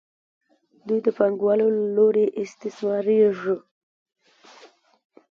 دوی د پانګوالو له لوري استثمارېږي